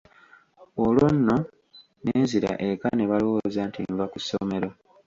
Olwo nno ne nzira eka ne balowooza nti nva ku ssomero.